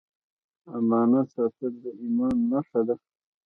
امانت ساتل د ایمان نښه ده.